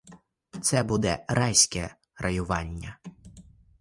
Це буде райське раювання.